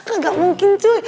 enggak mungkin cuy